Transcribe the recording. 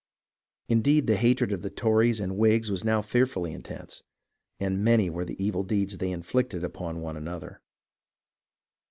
Indeed, the hatred of the Tories and Whigs was now fearfully intense, and many were the evil deeds they inflicted upon one another.